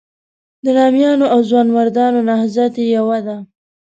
د نامیانو او ځوانمردانو نهضت یې یوه ده.